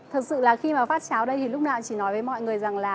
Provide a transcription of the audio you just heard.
thật sự là khi mà phát cháo đây thì lúc nào chỉ nói với mọi người rằng là